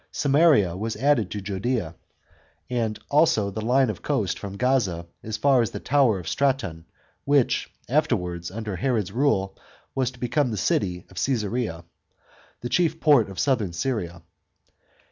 Samaria was added to Judea, and also the 112 PROVINCIAL ADMINISTRATION. CHAP, m line of coast from Gaza as far as the Tower of Straton, which afterwards, under Herod's rule, was to become the city of Csesarea, the chief port of southern Syria.